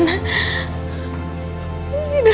ini anaknya putri man